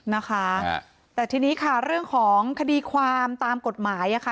นะคะแต่ทีนี้ค่ะเรื่องของคดีความตามกฎหมายอ่ะค่ะ